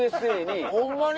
ホンマに？